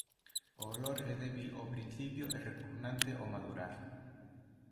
O olor é débil ó principio e repugnante ó madurar.